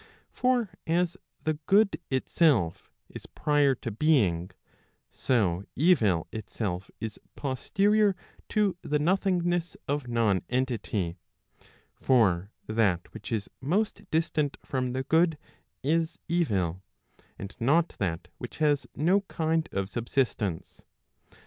For as the good itself is prior to being, so evil itself is posterior to the nothingness of non entity. For that which is most distant from the good is evil, and not that which has no kind of subsistence.